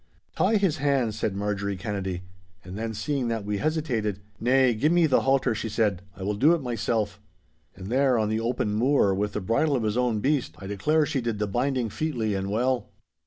'Tie his hands,' said Marjorie Kennedy. And then seeing that we hesitated—'nay, give me the halter,' she said, 'I will do it myself.' And there on the open moor, with the bridle of his own beast, I declare she did the binding featly and well.